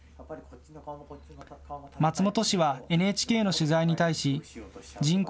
松本氏はＮＨＫの取材に対し人口